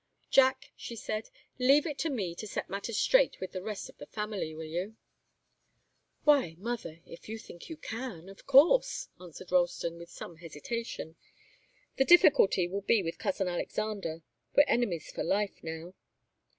"Jack," she said, "leave it to me to set matters straight with the rest of the family, will you?" "Why mother if you think you can of course," answered Ralston, with some hesitation. "The difficulty will be with cousin Alexander. We're enemies for life, now."